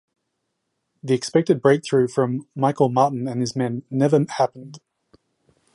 The expected breakthrough from Michael Martin and his men never happened.